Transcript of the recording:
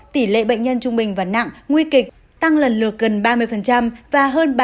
tỷ lệ bệnh nhân trung bình và nặng nguy kịch tăng lần lượt gần ba mươi và hơn ba mươi